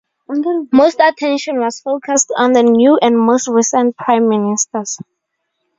Most attention was focused on the new and most recent Prime Ministers.